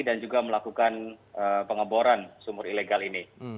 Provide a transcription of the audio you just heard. dan juga melakukan pengeboran sumur ilegal ini